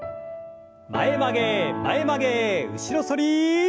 前曲げ前曲げ後ろ反り。